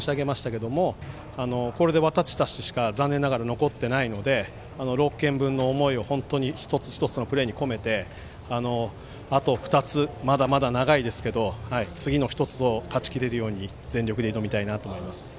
先ほども申し上げましたがこれで私たちしか、残念ながら残っていないので６県分の思いを本当に一つ一つのプレーに込めてあと２つ、まだまだ長いですけど次の１つを勝ちきれるように全力で挑みたいなと思います。